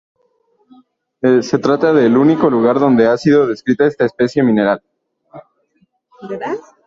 Se trata del único lugar donde ha sido descrita esta especie mineral.